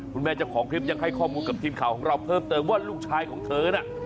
เจ้าของคลิปยังให้ข้อมูลกับทีมข่าวของเราเพิ่มเติมว่าลูกชายของเธอน่ะ